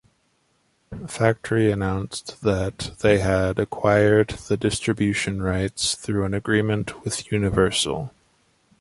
Factory announced that they had acquired the distribution rights through an agreement with Universal.